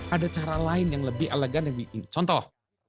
ada cara lain yang lebih elegan demi contoh